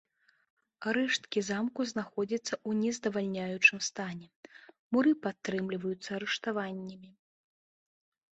Рэшткі замку знаходзяцца ў нездавальняючым стане, муры падтрымліваюцца рыштаваннямі.